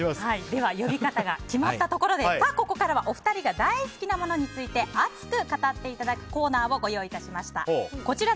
では、呼び方が決まったところで、ここからはお二人が大好きなものについて熱く語っていただくコーナーをご用意致しました。